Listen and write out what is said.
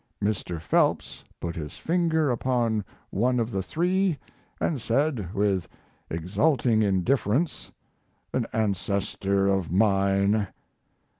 Mr. Phelps put his finger upon one of the three and said, with exulting indifference: "An ancestor of mine."